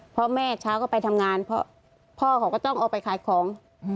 เพราะแม่เช้าก็ไปทำงานเพราะพ่อเขาก็ต้องเอาไปขายของ